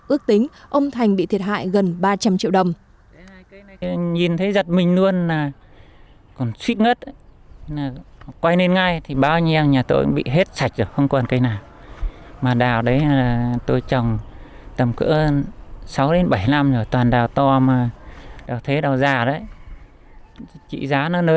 ước tính ông thành bị thiệt hại gần ba trăm linh triệu đồng